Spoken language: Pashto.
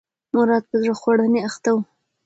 مراد په زړه خوړنې اخته و.